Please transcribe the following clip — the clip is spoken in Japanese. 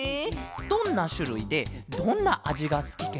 どんなしゅるいでどんなあじがすきケロ？